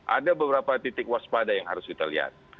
ada beberapa titik waspada yang harus kita lihat